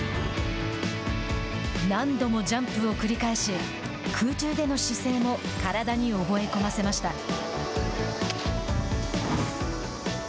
何度もジャンプを繰り返し空中での姿勢も体に覚え込ませました。